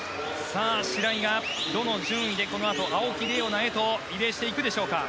白井がどの順位でこのあと青木玲緒樹へとリレーしていくでしょうか。